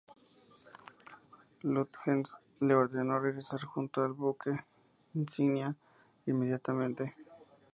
Lütjens le ordenó regresar junto al buque insignia inmediatamente.